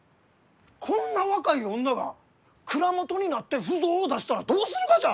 こんな若い女が蔵元になって腐造を出したらどうするがじゃ！？